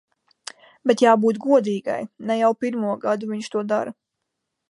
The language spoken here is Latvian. Bet jābūt godīgai, ne jau pirmo gadu viņš to dara.